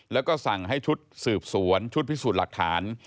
แล้วก็สั่งให้ชุดสืบสวนชุดพิสูจน์หลักฐาน